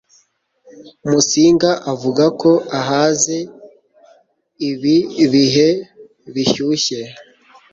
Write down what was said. musinga avuga ko ahaze ibi bihe bishyushye